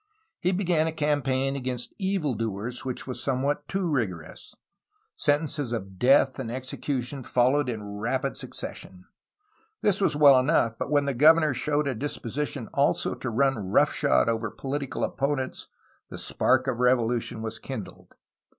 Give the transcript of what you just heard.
He began a campaign against evil doers which was somewhat too rigorous. Sen tences of death and execution followed in rapid succession. This was well enough, but when the governor showed a dis position also to run roughshod over political opponents the spark of revolution was kindled.